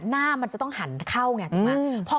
หน้ามันจะต้องหันเข้าไงถูกไหม